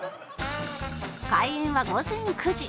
開園は午前９時